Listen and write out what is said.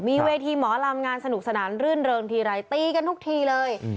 มีเวทีหมอลำงานสนุกสนานรื่นเริงทีไรตีกันทุกทีเลย